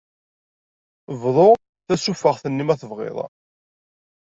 Bḍu tasufeɣt-nni ma tebɣiḍ.